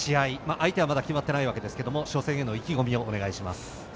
相手はまだ決まっていませんが初戦への意気込みをお願いします。